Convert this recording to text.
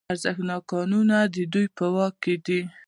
ارزښتناک کانونه د دوی په واک کې دي